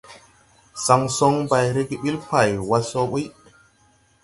Saŋ soŋ bay rege ɓil pay wa so buy.